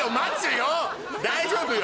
大丈夫よ。